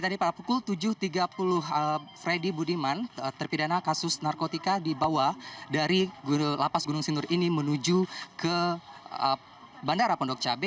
tadi pada pukul tujuh tiga puluh freddy budiman terpidana kasus narkotika dibawa dari lapas gunung sindur ini menuju ke bandara pondok cabe